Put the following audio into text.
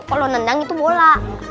kalo nendang itu bola